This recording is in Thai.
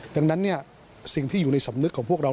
ดังนั้นสิ่งที่อยู่ในสำนึกของพวกเรา